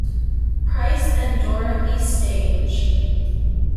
Price and Dorothy Stange.